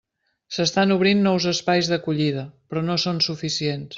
S'estan obrint nous espais d'acollida, però no són suficients.